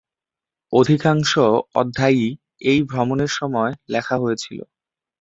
অধিকাংশ অধ্যায়ই এই ভ্রমণের সময় লেখা হয়েছিল।